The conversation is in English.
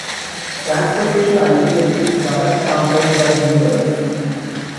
Transportation Alternatives' current campaigns are numerous.